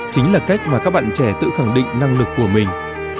chính là cách mà các bạn trẻ tự khẳng định năng lực của mình